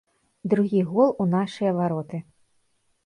Другі гол у нашыя вароты.